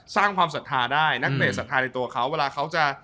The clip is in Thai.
สร้างความศรัทธาได้นักเลสศรัทธาในตัวเขาเวลาเขาจะ